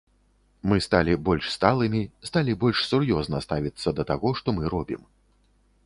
Мы сталі больш сталымі, сталі больш сур'ёзна ставіцца да таго, што мы робім.